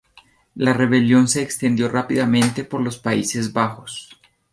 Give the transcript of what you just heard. La rebelión se extendió rápidamente por los Países Bajos.